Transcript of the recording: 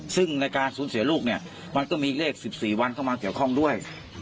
ซึ่งในการสูญเสียลูกเนี่ยมันก็มีเลข๑๔วันเข้ามาเกี่ยวข้องด้วย